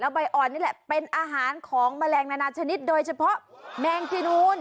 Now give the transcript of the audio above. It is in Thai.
ใบอ่อนนี่แหละเป็นอาหารของแมลงนานาชนิดโดยเฉพาะแมงจีนูน